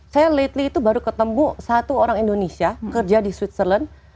saya lately itu baru ketemu satu orang indonesia kerja di switzerland